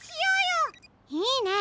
いいね！